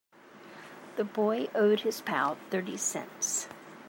The boy owed his pal thirty cents.